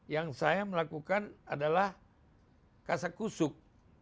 yang saya melakukan adalah kasak kusuk